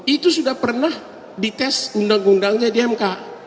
itu sudah pernah dites undang undangnya di mk